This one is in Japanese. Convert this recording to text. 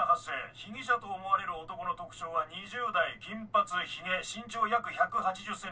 被疑者と思われる男の特徴は２０代金髪ヒゲ身長約１８０ｃｍ。